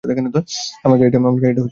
আমার গাড়িটা বাইরে রয়েছে।